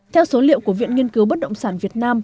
theo số liệu của viện nghiên cứu bất động sản việt nam